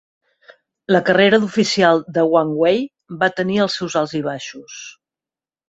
La carrera d'oficial de Wang Wei va tenir els seus alts i baixos.